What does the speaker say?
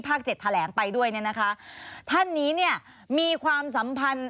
เจ็ดแถลงไปด้วยเนี่ยนะคะท่านนี้เนี่ยมีความสัมพันธ์